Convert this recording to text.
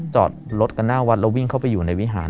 จอดรถกันหน้าวัดแล้ววิ่งเข้าไปอยู่ในวิหาร